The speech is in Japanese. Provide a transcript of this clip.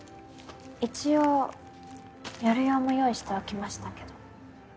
一応夜用も用意しておきましたけど。